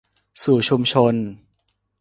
สู่ชุมชน